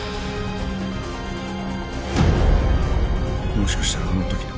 もしかしたらあの時の。